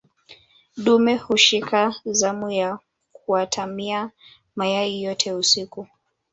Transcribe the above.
dume hushika zamu ya kuatamia mayai yote usiku